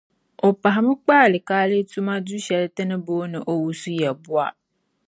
O pahimi n kpa Alikaali tuma duu shɛli ti ni booni Owusu-Yeboah.